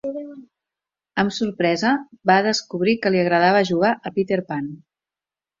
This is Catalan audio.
Amb sorpresa, va descobrir que li agradava jugar a Peter Pan.